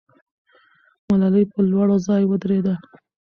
ملالۍ په لوړ ځای ودرېده.